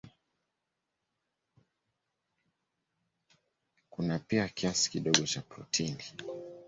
Kuna pia kiasi kidogo cha protini.